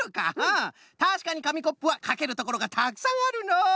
たしかにかみコップはかけるところがたくさんあるのう。